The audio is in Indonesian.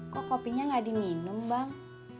kok kopinya gak diminum bang